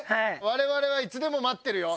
我々はいつでも待ってるよ。